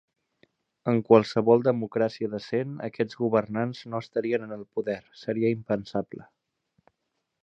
En qualsevol democràcia decent aquests governants no estarien en el poder, seria impensable.